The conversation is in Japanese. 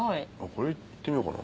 これいってみようかな。